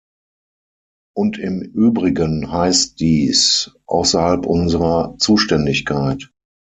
Und im übrigen heißt dies, außerhalb unserer Zuständigkeit.